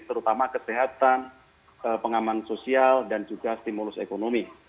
terutama kesehatan pengaman sosial dan juga stimulus ekonomi